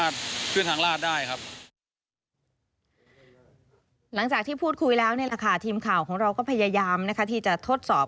ทีมข่าวของเราก็พยายามที่จะทดสอบ